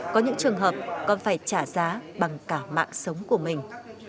có những trường hợp còn phải trả giá bằng cả mạng sống của mình